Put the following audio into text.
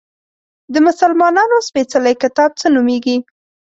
د مسلمانانو سپیڅلی کتاب څه نومیږي؟